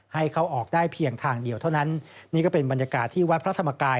ให้เขาออกได้เพียงทางเดียวเท่านั้นนี่ก็เป็นบรรยากาศที่วัดพระธรรมกาย